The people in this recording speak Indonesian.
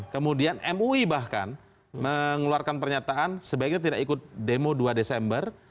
kemudian mui bahkan mengeluarkan pernyataan sebaiknya tidak ikut demo dua desember